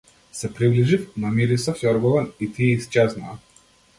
Се приближив, намирисав јоргован и тие исчезнаа.